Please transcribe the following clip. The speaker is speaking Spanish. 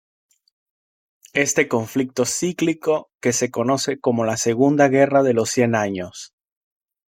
Este conflicto cíclico que se conoce como la Segunda Guerra de los Cien Años.